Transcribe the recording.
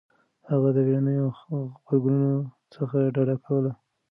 هغه د بېړنيو غبرګونونو څخه ډډه کوله.